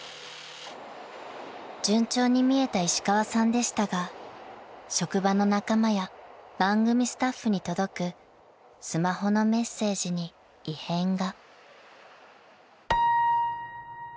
［順調に見えた石川さんでしたが職場の仲間や番組スタッフに届くスマホのメッセージに異変が］